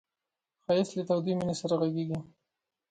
ښایست له تودې مینې سره غږېږي